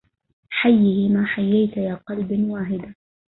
حيه ما حييت يا قلب واهدا